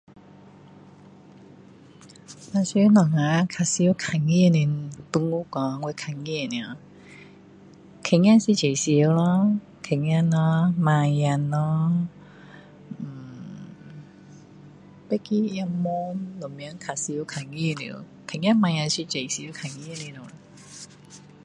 平常我们比较常看到动物狗仔是最长咯狗仔咯猫仔咯 hmmm 别个也没有什么比较长看到的狗仔猫仔是最长看到的